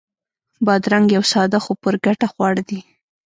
بادرنګ یو ساده خو پُرګټه خواړه دي.